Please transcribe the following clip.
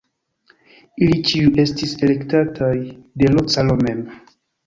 Ili ĉiuj estis elektataj de l' caro mem.